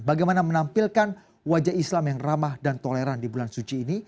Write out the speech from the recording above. bagaimana menampilkan wajah islam yang ramah dan toleran di bulan suci ini